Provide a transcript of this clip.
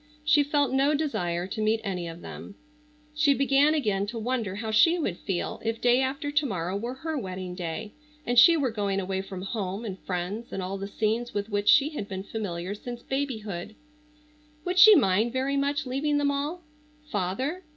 She felt no desire to meet any of them. She began again to wonder how she would feel if day after to morrow were her wedding day, and she were going away from home and friends and all the scenes with which she had been familiar since babyhood. Would she mind very much leaving them all? Father?